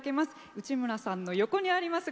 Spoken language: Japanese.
内村さんの横にあります